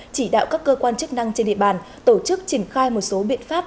chỉ đạo các cơ quan chức năng trên địa bàn tổ chức triển khai một số biện pháp